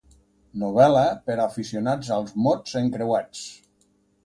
Novel·la per a aficionats als mots encreuats».